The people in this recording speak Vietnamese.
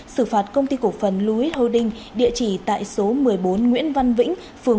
xử phạt công ty cổ phần luis holding địa chỉ tại số một mươi bốn nguyễn văn vĩnh